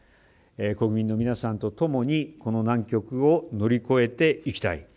国民の皆さんとともにこの難局を乗り越えていきたい。